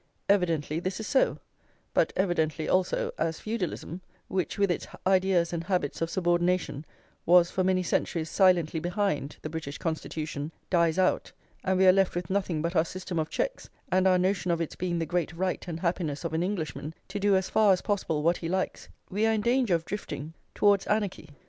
Evidently this is so; but evidently, also, as feudalism, which with its ideas and habits of subordination was for many centuries silently behind the British Constitution, dies out, and we are left with nothing but our system of checks, and our notion of its being the great right and happiness of an Englishman to do as far as possible what he likes, we are in danger of drifting towards anarchy.